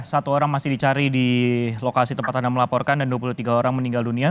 satu orang masih dicari di lokasi tempat anda melaporkan dan dua puluh tiga orang meninggal dunia